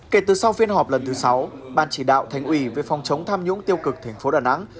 kể từ sau phiên họp lần thứ sáu ban chỉ đạo thành ủy về phòng chống tham nhũng tiêu cực thành phố đà nẵng